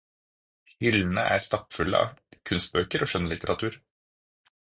Hyllene er stappfulle av kunstbøker og skjønnlitteratur.